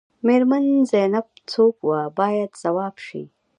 میرمن زینب څوک وه باید ځواب شي.